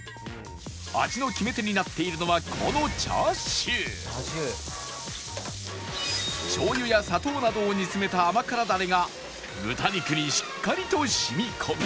味の決め手になっているのはこのチャーシュー醤油や砂糖などを煮詰めた甘辛ダレが豚肉にしっかりと染み込む